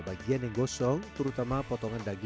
kalian yang jhv nyuruh jadi pengharusin makanan ulangi